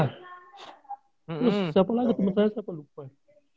terus siapa lagi temen saya siapa lupa ya